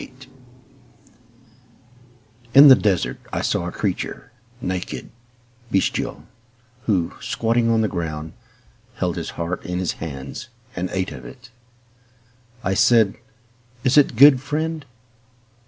III In the desert I saw a creature, naked, bestial, who, squatting upon the ground, Held his heart in his hands, And ate of it. I said, "Is it good, friend?"